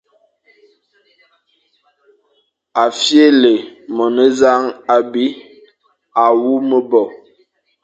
A fyelé monezañ abi à wu me bo,